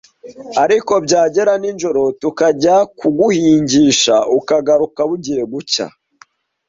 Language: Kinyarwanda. ariko byagera nijoro tukajya kuguhingisha ukagaruka bugiye gucya